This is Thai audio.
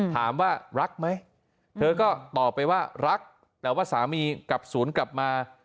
ถามว่ารักไหมเธอก็ตอบไปว่ารักแต่ว่าสามีกลับศูนย์กลับมา